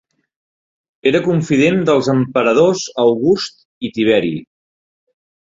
Era confident dels emperadors August i Tiberi.